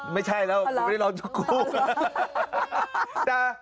ไม่ใช่ไม่รอโชคกลู